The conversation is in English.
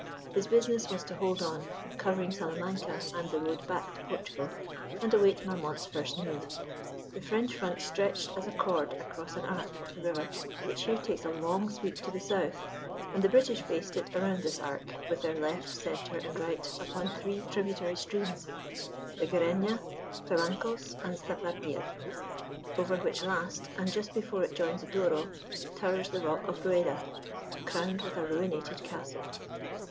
His business was to hold on, covering Salamanca and the road back to Portugal, and await Marmont's first move. The French front stretched as a chord across an arc of the river, which here takes a long sweep to the south; and the British faced it around this arc, with their left, centre, and right, upon three tributary streams the Guarena, Trabancos, and Zapardiel over which last, and just before it joins the Douro, towers the rock of Rueda, crowned with a ruinated castle.